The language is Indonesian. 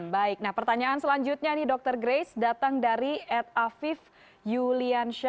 baik nah pertanyaan selanjutnya nih dokter grace datang dari ed afif yuliansyah